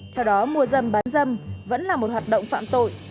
theo đó mua dâm bán dâm vẫn là một hoạt động phạm tội